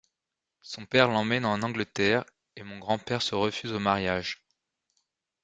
Son père l’emmène en Angleterre et mon grand-père se refuse au mariage.